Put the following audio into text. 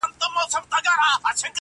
د زړه له درده دا نارۍ نه وهم~